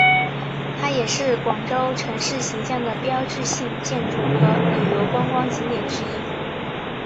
它也是广州城市形象的标志性建筑和旅游观光景点之一。